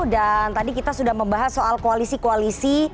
dan tadi kita sudah membahas soal koalisi koalisi